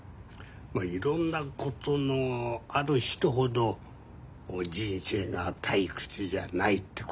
いろんなことのある人ほど人生が退屈じゃないってことだ。